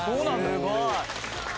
すごい。